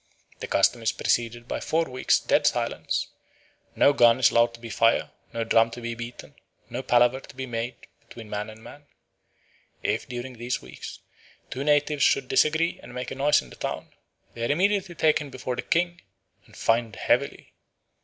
The custom is preceded by four weeks' dead silence; no gun is allowed to be fired, no drum to be beaten, no palaver to be made between man and man. If, during these weeks, two natives should disagree and make a noise in the town, they are immediately taken before the king and fined heavily.